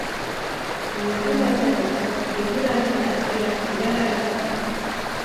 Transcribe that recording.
Larunbatean, hortaz, eguraldi nahasia iragarrita dago.